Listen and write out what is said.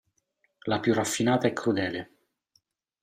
La più raffinata e crudele!